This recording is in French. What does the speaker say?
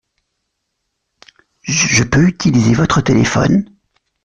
Je peux utiliser votre téléphone ?